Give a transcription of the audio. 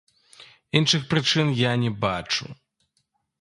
Іншых прычын я не бачу.